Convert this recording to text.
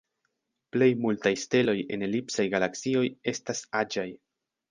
Plej multaj steloj en elipsaj galaksioj estas aĝaj.